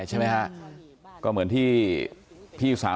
นางมอนก็บอกว่า